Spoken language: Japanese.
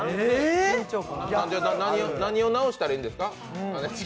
何を直したらいいんですか。